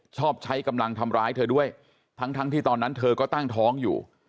ชอบใช้กำลังทำร้ายเธอด้วยทั้งที่ตอนนั้นเธอก็ตั้งท้องอยู่